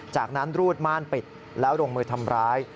จากนั้นรูดม่านปิดแล้วลงมือทำร้าย